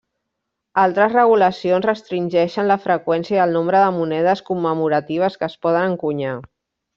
Altres regulacions restringeixen la freqüència i el nombre de monedes commemoratives que es poden encunyar.